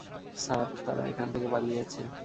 Sir, তারা এখানে থেকে পালিয়েছে।